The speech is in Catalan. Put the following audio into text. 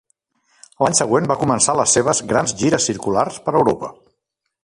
L'any següent va començar les seves "grans gires circulars" per Europa.